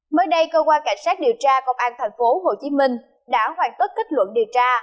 mới đây cơ quan cảnh sát điều tra công an tp hcm đã hoàn tất kết luận điều tra